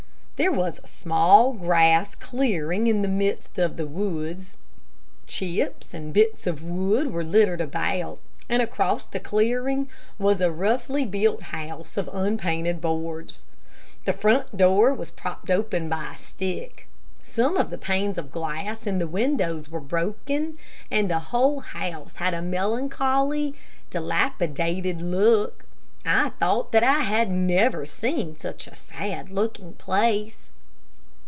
There was a small grass clearing in the midst of the woods. Chips and bits of wood were littered about, and across the clearing was a roughly built house of unpainted boards. The front door was propped open by a stick. Some of the panes of glass in the windows were broken, and the whole house had a melancholy, dilapidated look. I thought that I had never seen such a sad looking place.